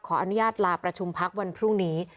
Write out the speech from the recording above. ขออนุญาตลาประชุมพักวันพรุ่งนี้